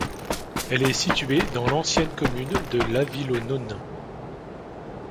Elle est située dans l'ancienne commune de La Ville-aux-Nonains.